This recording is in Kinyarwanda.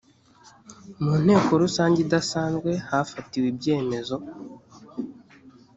mu nteko rusange idasanzwe hafatiwe ibyemmezo